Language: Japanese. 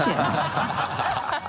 ハハハ